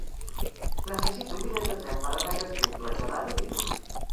Necessito un bitllet de tren per anar a Castell-Platja d'Aro dilluns.